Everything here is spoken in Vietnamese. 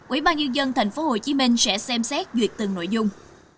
ubnd tp hcm sẽ xem xét duyệt từng nội dung